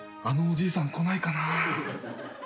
あのおじいさん来ないかな？